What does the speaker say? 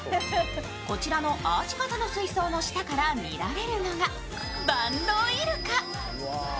こちらのアーチ型の水槽の下から見られるのがバンドウイルカ。